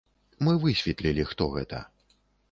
Мы высветлілі, хто гэта.